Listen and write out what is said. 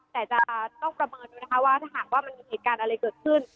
แต่จะต้องประเมินว่าจะหากมีรีบการอะไรเกิดขึ้น